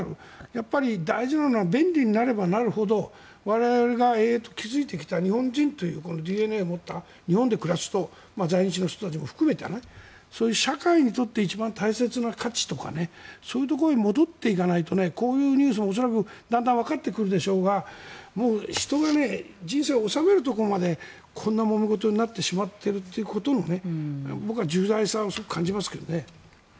やっぱり大事なのは便利になればなるほど我々が営々と築いてきた日本人という、ＤＮＡを持った日本で暮らす人在日の人も含めたそういう社会にとって一番大切な価値とかそういうところに戻っていかないとこういうニュースは、恐らくだんだんわかってくるでしょうがもう人が人生を納めるところまでこんなもめ事になってしまっていることの重大さをすごく感じますけどね。